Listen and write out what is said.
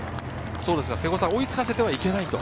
追いつかせてはいけないと。